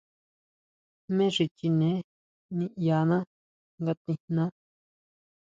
Jmé xi chineé niʼyaná nga tijnaá.